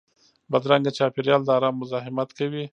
بدرنګه چاپېریال د ارام مزاحمت کوي